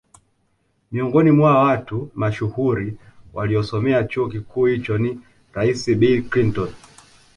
Miongoni mwa watu mashuhuri waliosomea chuo kikuu hicho ni rais Bill Clinton